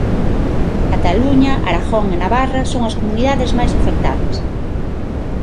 Cataluña, Aragón e Navarra son as comunidades máis afectadas.